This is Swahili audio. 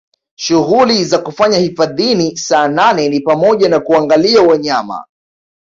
Shughuli za kufanya hifadhini Saanane ni pamoja na kuangalia wanyama